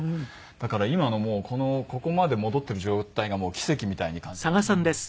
だから今のここまで戻っている状態が奇跡みたいに感じますね。